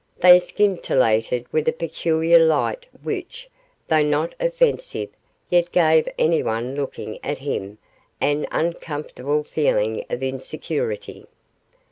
They scintillated with a peculiar light which, though not offensive, yet gave anyone looking at him an uncomfortable feeling of insecurity.